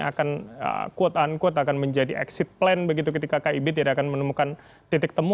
akan quote unquote akan menjadi exit plan begitu ketika kib tidak akan menemukan titik temu